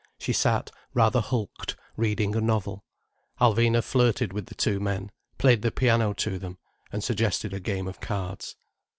She sat, rather hulked, reading a novel. Alvina flirted with the two men, played the piano to them, and suggested a game of cards.